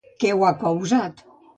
Què ho ha causat?